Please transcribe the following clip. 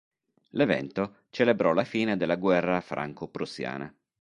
L'evento celebrò la fine della Guerra franco-prussiana.